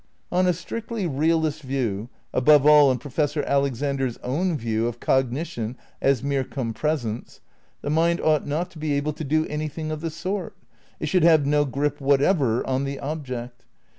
On a strictly realist view, above all on Professor Alexander's own view of cogni tion as mere "compresence," the mind ought not to be able to do anything of the sort. It should have no grip whatever on the object.